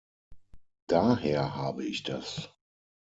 Daher habe ich das.